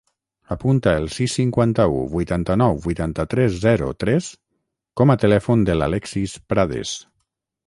Apunta el sis, cinquanta-u, vuitanta-nou, vuitanta-tres, zero, tres com a telèfon de l'Alexis Prades.